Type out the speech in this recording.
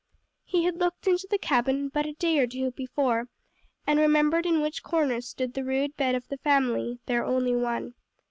He had looked into the cabin but a day or two before, and remembered in which corner stood the rude bed of the family, their only one.